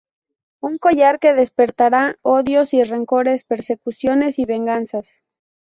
Un collar que despertará odios y rencores, persecuciones y venganzas.